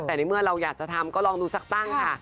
แต่ในเมื่อเราอยากจะทำก็ลองดูสักตั้งค่ะ